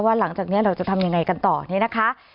ว่าหลังจากนี้เราจะทำอย่างไรกันต่อนี้นะคะ